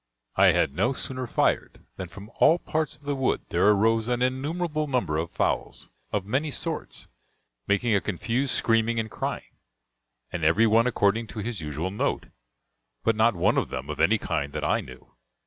I had no sooner fired than from all parts of the wood there arose an innumerable number of fowls, of many sorts, making a confused screaming and crying, and every one according to his usual note, but not one of them of any kind that I knew.